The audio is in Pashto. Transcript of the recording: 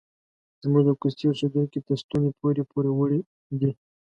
زموږ د کوڅې اوسیدونکي تر ستوني پورې پوروړي دي.